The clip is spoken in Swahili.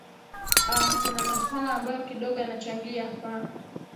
aa kuna maswala ambayo kidogo yanachangia pa